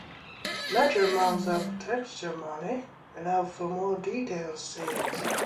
Larger amounts of texture memory allow for more detailed scenes.